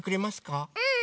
うん！